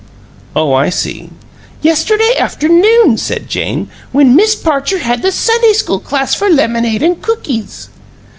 "Oh, I see." "Yesterday afternoon," said Jane, "when Miss Parcher had the Sunday school class for lemonade and cookies."